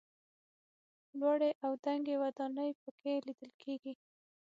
لوړې او دنګې ودانۍ په کې لیدل کېږي.